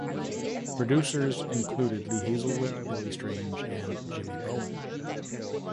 Producers included Lee Hazlewood, Billy Strange and Jimmy Bowen.